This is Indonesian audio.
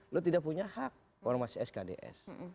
lo tidak punya hak orang masih skds